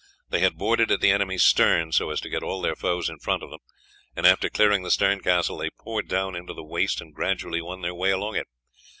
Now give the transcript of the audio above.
They had boarded at the enemy's stern so as to get all their foes in front of them, and after clearing the stern castle they poured down into the waist and gradually won their way along it.